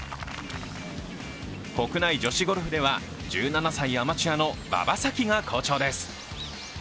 国内女子ゴルフでは、１７歳のアマチュアの馬場咲希が好調です。